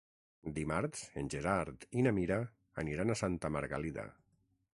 Dimarts en Gerard i na Mira aniran a Santa Margalida.